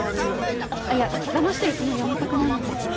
いやだましてるつもりは全くないのですが。